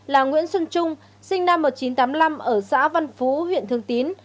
là nguyễn xuân trung sinh năm một nghìn chín trăm tám mươi năm ở xã văn phú huyện thường tín